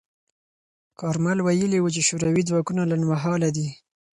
کارمل ویلي و چې شوروي ځواکونه لنډمهاله دي.